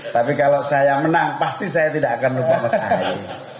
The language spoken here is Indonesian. tapi kalau saya menang pasti saya tidak akan lupa mas ahy